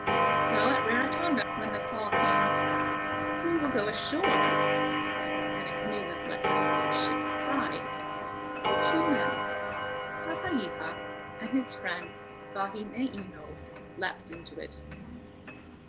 So at Rarotonga, when the call came, "Who will go ashore?" and a canoe was let down from the ship's side, two men, Papeiha and his friend Vahineino, leapt into it.